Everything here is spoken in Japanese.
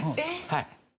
はい。